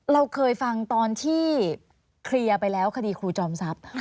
เราเคยฟังตอนที่เคลียร์ไปแล้วคดีครูจอมทรัพย์